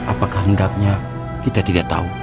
apakah hendaknya kita tidak tahu